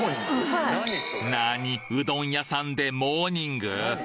うどん屋さんでモーニング？